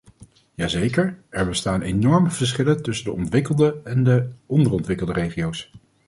Jazeker, er bestaan enorme verschillen tussen de ontwikkelde en de onderontwikkelde regio's.